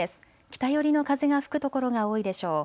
北寄りの風が吹くところが多いでしょう。